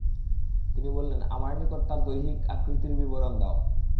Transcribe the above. তিনি বললেন, আমার নিকট তার দৈহিক আকৃতির বিবরণ দাও।